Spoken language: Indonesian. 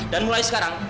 dan mulai sekarang